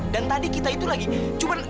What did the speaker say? dan tadi kita itu lagi cuma